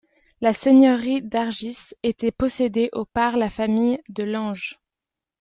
La seigneurie d’Argis était possédée au par la famille de Lange.